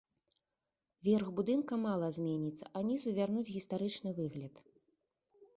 Верх будынка мала зменіцца, а нізу вернуць гістарычны выгляд.